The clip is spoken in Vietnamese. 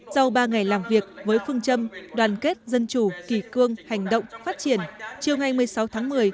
sau ba ngày làm việc với phương châm đoàn kết dân chủ kỳ cương hành động phát triển chiều ngày một mươi sáu tháng một mươi